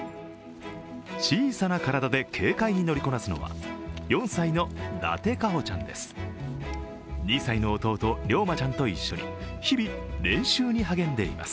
小さな体で軽快に乗りこなすのは４歳の伊達香歩ちゃんです。